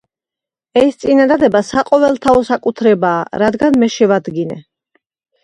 ეს წინადადება საყოველთაო საკუთრებაა, რადგან მე შევადგინე.